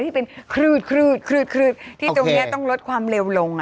ที่เป็นคลืดคลืดที่ตรงนี้ต้องลดความเร็วลง